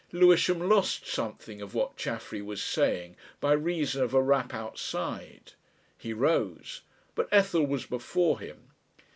Lewisham lost something of what Chaffery was saying by reason of a rap outside. He rose, but Ethel was before him.